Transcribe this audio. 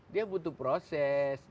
dia butuh proses